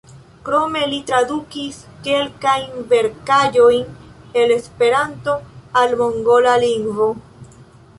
Krome li tradukis kelkajn verkaĵojn el Esperanto al mongola lingvo.